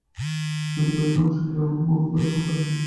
তাতে বিরোধীরা অংশ নেবে, এমন মনে করার কোনো কারণ দেখি না।